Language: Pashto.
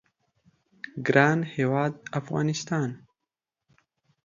ګران هیواد افغانستان